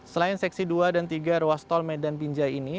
selain seksi dua dan tiga ruas tol medan binjai ini